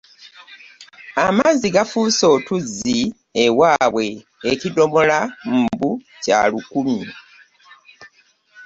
Amazzi gafuuse otuzzi ewaabwe ekidomola mbu kya lukumi!